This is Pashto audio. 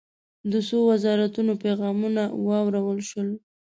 د څو وزارتونو پیغامونه واورل شول.